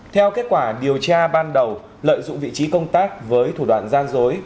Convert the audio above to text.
theo kết quả điều tra ban đầu lợi dụng vị trí công tác với thủ đoạn gian dối